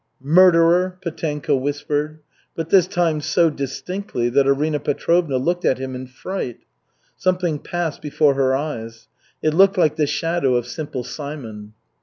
'" "Murderer!" Petenka whispered, but this time so distinctly that Arina Petrovna looked at him in fright. Something passed before her eyes. It looked like the shadow of Simple Simon.